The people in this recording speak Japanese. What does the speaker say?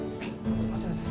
あちらです